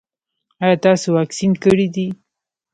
ایا تاسو واکسین کړی دی؟